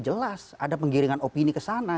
jelas ada penggiringan opini kesana